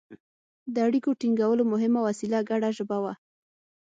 د اړیکو ټینګولو مهمه وسیله ګډه ژبه وه